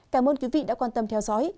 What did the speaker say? cảm ơn quý vị đã quan tâm theo dõi